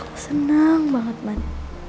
aku seneng banget man